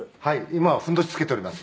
今はふんどし着けております」